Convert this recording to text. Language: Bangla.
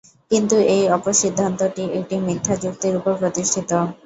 কিন্তু এই অপসিদ্ধান্তটি একটি মিথ্যা যুক্তির উপর প্রতিষ্ঠিত।